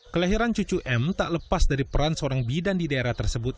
kelahiran cucu m tak lepas dari peran seorang bidan di daerah tersebut